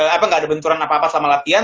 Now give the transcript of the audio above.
apa nggak ada benturan apa apa selama latihan